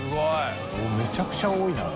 めちゃくちゃ多いんだな。